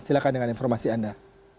silakan dengan informasi anda